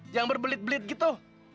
jangan berbelit belit gitu